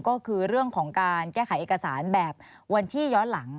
ก็คือเรื่องของการแก้ไขเอกสารแบบวันที่ย้อนหลัง